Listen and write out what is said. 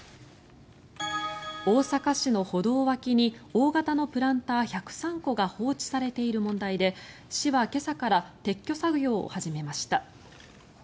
大阪市の歩道脇に大型のプランター１０３個が放置されている問題で市は今朝から撤去作業を始めました。